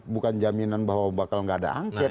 bukan jaminan bahwa bakal nggak ada angket